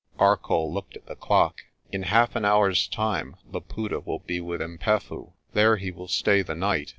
Arcoll looked at the clock. "In half an hour's time Laputa will be with 'Mpefu. There he will stay the night.